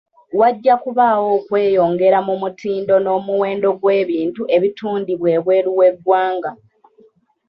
Wajja kubaawo okweyongera mu mutindo n'omuwendo gw'ebintu ebitundibwa ebweru w'eggwanga.